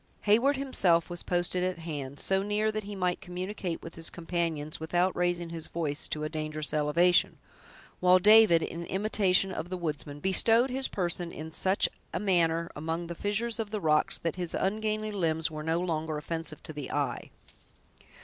Heyward himself was posted at hand, so near that he might communicate with his companions without raising his voice to a dangerous elevation; while David, in imitation of the woodsmen, bestowed his person in such a manner among the fissures of the rocks, that his ungainly limbs were no longer offensive to the eye.